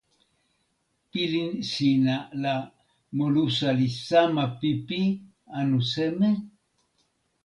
pilin sina la molusa li sama pipi anu seme?